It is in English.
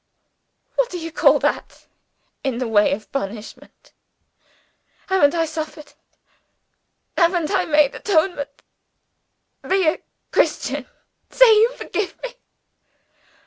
What do you call that, in the way of punishment? Haven't I suffered? Haven't I made atonement? Be a Christian say you forgive me."